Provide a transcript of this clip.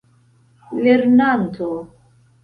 lernanto